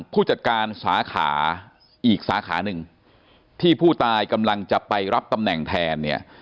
ไปรับตำแหน่งแทนเนี่ย